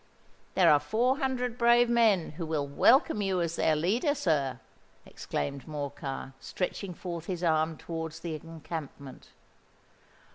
"There are four hundred brave men, who will welcome you as their leader, sir!" exclaimed Morcar, stretching forth his arm towards the encampment.